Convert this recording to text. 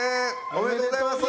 おめでとうございます。